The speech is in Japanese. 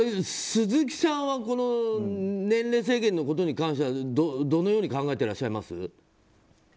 鈴木さんは年齢制限に関してはどのように考えていらっしゃいます？